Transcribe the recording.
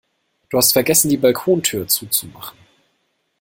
Du hast vergessen, die Balkontür zuzumachen.